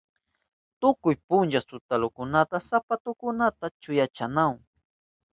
Tukuy puncha suntalukunaka sapatukunata chuyanchanahun.